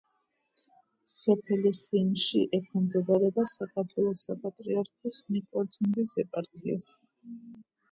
სოფელი ხიმში ექვემდებარება საქართველოს საპატრიარქოს ნიკორწმინდის ეპარქიას.